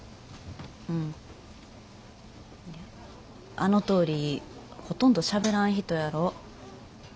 あのとおりほとんどしゃべらん人やろ。